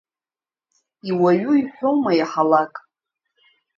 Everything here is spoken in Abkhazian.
Иуаҩу иҳәоума иаҳалак?